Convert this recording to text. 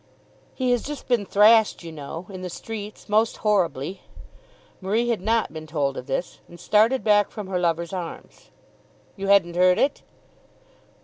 "He has just been thrashed, you know, in the streets, most horribly." Marie had not been told of this, and started back from her lover's arms. "You hadn't heard it?"